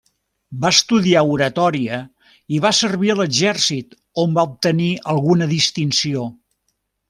Va estudiar oratòria i va servir a l'exèrcit on va obtenir alguna distinció.